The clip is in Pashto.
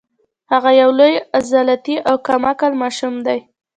هغه یو لوی عضلاتي او کم عقل ماشوم دی